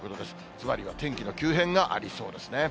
つまりは天気の急変がありそうですね。